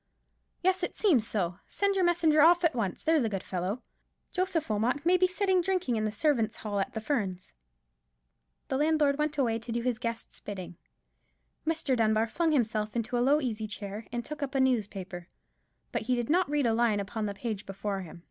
"Yes, it seems so. Send your messenger off at once, there's a good fellow. Joseph Wilmot may be sitting drinking in the servants' hall at the Ferns." The landlord went away to do his guest's bidding. Mr. Dunbar flung himself into a low easy chair, and took up a newspaper. But he did not read a line upon the page before him.